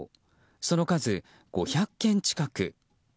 その数、５００件近く。